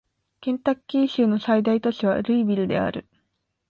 ケンタッキー州の最大都市はルイビルである